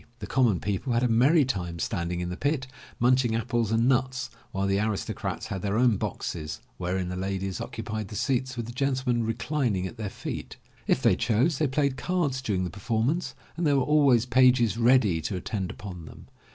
The common people had a merry time standing in the pit, munching apples and nuts, while the aristocrats had their own boxes wherein the ladies occupied the seats with the gentle men reclining at their feet. If they chose, they played cards during the performance and there were always pages ready to attend upon them.